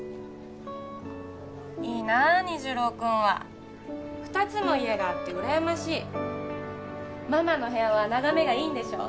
いいな虹朗君は２つも家があってうらやましいママの部屋は眺めがいいんでしょ？